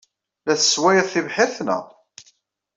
La tesswayeḍ tibḥirt, naɣ?